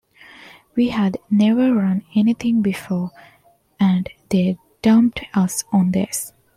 We had never run anything before, and they dumped us on this.